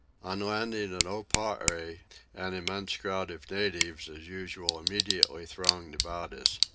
On landing at Oparre an immense crowd of natives as usual immediately thronged about us.